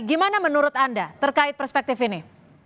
gimana menurut anda terkait perspektif ini